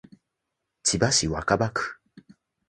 千葉市若葉区